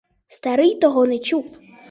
Старий того не чув.